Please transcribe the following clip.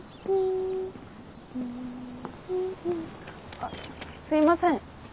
あっすいません。